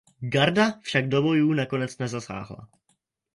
Garda však do bojů nakonec nezasáhla.